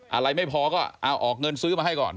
อะไรไม่พอก็เอาออกเงินซื้อมาให้ก่อน